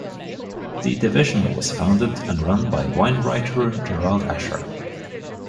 The division was founded and run by wine writer Gerald Asher.